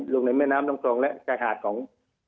โรงหลังแม่น้ำต้อนคลองและสายหาดของ